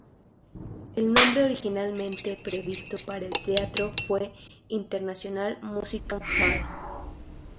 El nombre originalmente previsto para el teatro fue International Music Hall.